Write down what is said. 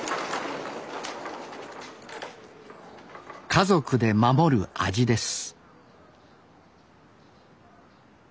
家族で守る味です。